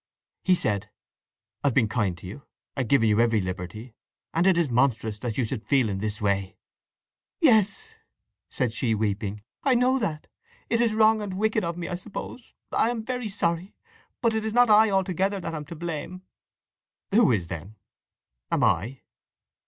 He said: "I've been kind to you, and given you every liberty; and it is monstrous that you should feel in this way!" "Yes," said she, weeping. "I know that! It is wrong and wicked of me, I suppose! I am very sorry. But it is not I altogether that am to blame!" "Who is then? Am I?"